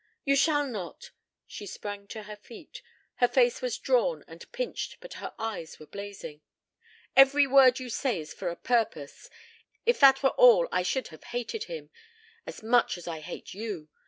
You shall not!" She had sprung to her feet. Her face was drawn and pinched but her eyes were blazing. "Every word you say is for a purpose. If that were all I should have hated him. As much as I hate you.